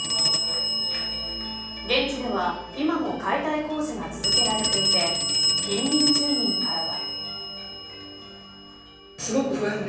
現地では、今も解体工事が続けられていて近隣住民からは。